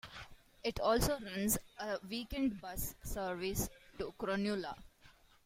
It also runs a weekend bus service to Cronulla.